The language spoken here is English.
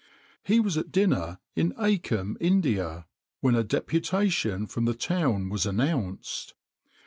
He was at dinner in Achem, India, when a deputation from the town was announced.